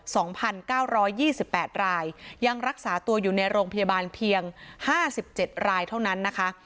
สองพันเก้าร้อยยี่สิบแปดรายยังรักษาตัวอยู่ในโรงพยาบาลเพียงห้าสิบเจ็ดรายเท่านั้นนะคะ